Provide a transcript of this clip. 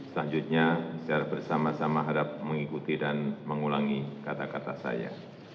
selanjutnya secara bersama sama harap mengikuti dan mengulangi kata kata saya